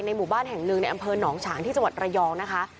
หมู่บ้านแห่งหนึ่งในอำเภอหนองฉางที่จังหวัดระยองนะคะ